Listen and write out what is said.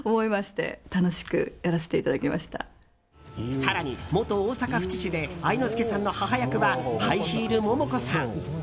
更に、元大阪府知事で愛之助さんの母役はハイヒール・モモコさん。